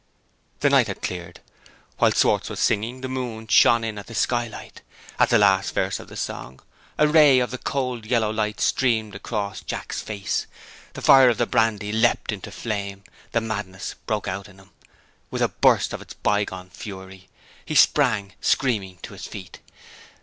The night had cleared. While Schwartz was singing, the moon shone in at the skylight. At the last verse of the song, a ray of the cold yellow light streamed across Jack's face. The fire of the brandy leapt into flame the madness broke out in him, with a burst of its by gone fury. He sprang, screaming, to his feet.